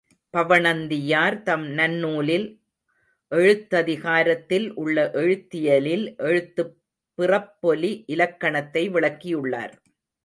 பவணந்தியார் தம் நன்னூலில், எழுத்ததிகாரத்தில் உள்ள எழுத்தியலில், எழுத்துப் பிறப்பொலி இலக்கணத்தை விளக்கியுள்ளார்.